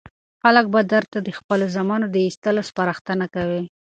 خلک به درته د خپلو زامنو د ایستلو سپارښتنه کوي.